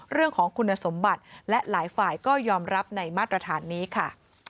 เรื่องของคุณสมบัติและหลายฝ่ายก็ยอมรับในมาตรฐานนี้ค่ะ